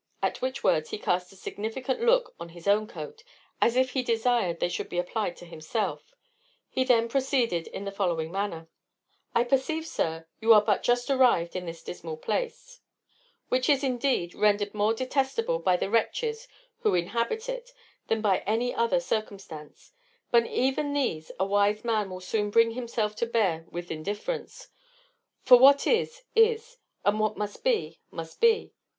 At which words he cast a significant look on his own coat, as if he desired they should be applied to himself. He then proceeded in the following manner: "I perceive, sir, you are but just arrived in this dismal place, which is, indeed, rendered more detestable by the wretches who inhabit it than by any other circumstance; but even these a wise man will soon bring himself to bear with indifference; for what is, is; and what must be, must be.